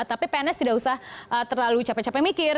tapi pns tidak usah terlalu capek capek mikir